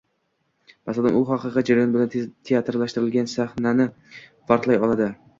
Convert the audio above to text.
Masalan u haqiqiy jarayon bilan teatrlashtirilgan sahnani farqlay oladi.